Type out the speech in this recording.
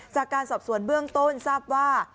จากการสอบสวนเบื้องต้นทราบว่า